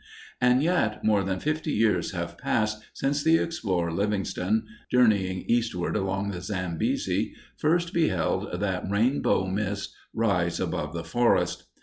And yet, more than fifty years have passed since the explorer Livingstone, journeying eastward along the Zambesi, first beheld that rainbow mist rise above the forest.